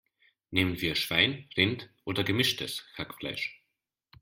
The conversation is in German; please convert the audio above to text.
Nehmen wir Schwein, Rind oder gemischtes Hackfleisch?